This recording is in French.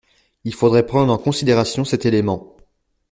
Il faudrait prendre en considération cet élément.